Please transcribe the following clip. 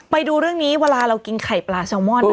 ไปดูเรื่องนี้เวลาเรากินไข่ปลาแซลมอน